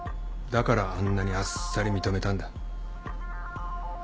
だからあんなにあっさり認めたんだ。